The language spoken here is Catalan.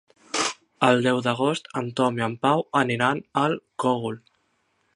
El deu d'agost en Tom i en Pau aniran al Cogul.